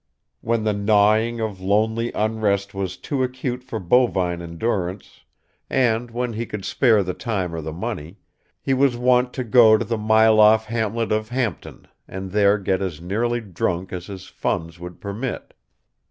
When the gnawing of lonely unrest was too acute for bovine endurance and when he could spare the time or the money he was wont to go to the mile off hamlet of Hampton and there get as nearly drunk as his funds would permit.